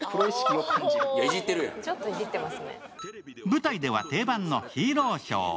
舞台では定番のヒーローショー。